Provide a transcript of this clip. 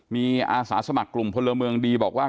มีอาสาสมัครกลุ่มพลเมืองดีบอกว่า